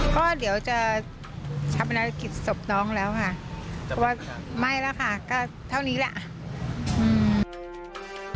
ก็เดี๋ยวจะชับประนักกิจศพน้องแล้วค่ะเพราะว่าไม่แล้วค่ะก็เท่านี้แหละอืม